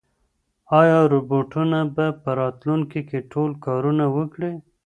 ایا روبوټونه به په راتلونکي کې ټول کارونه وکړي؟